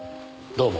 どうも。